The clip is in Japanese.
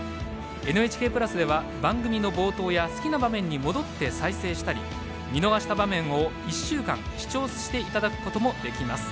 「ＮＨＫプラス」では番組の冒頭や好きな場面に戻って再生したり見逃した場面を１週間視聴していただくこともできます。